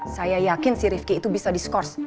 saya yakin si rivki itu bisa diskors